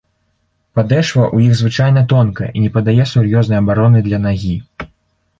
Падэшва ў іх звычайна тонкая і не падае сур'ёзнай абароны для нагі.